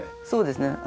そうですね。